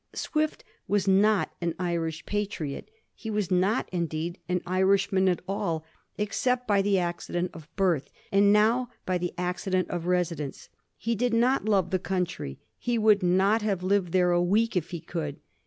Swift was not an Irish patriot ; he was not, indeed, an Irishman at all, except by the accident of birth, and now by the accident of residence. He did not love the country ; he would not have Uved there a week if he could.